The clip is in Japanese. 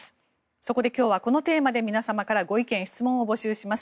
そこで今日はこのテーマで皆様からご意見・ご質問を募集します。